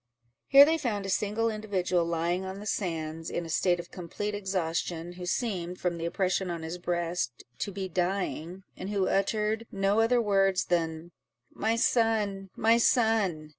Here they found a single individual lying on the sands, in a state of complete exhaustion, who seemed, from the oppression on his breast, to be dying, and who uttered no other words than, "My son! my son!"